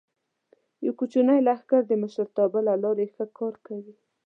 یو کوچنی لښکر د مشرتابه له لارې ښه کار کوي.